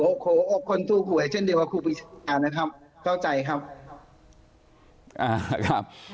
โหโหโหคนสู้ผวยเช่นเดียวกับครูปีชานะครับเข้าใจครับ